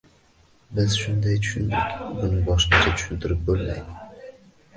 Biz shunday tushundik, buni boshqacha tushunib bo‘lmaydi.